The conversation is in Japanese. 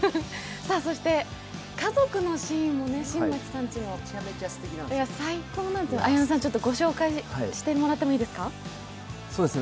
そして家族のシーンも新町さんち、最高なんですよ、綾野さんご紹介してもらってもいいですか。